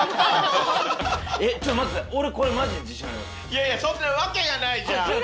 いやいやそんなわけがないじゃん。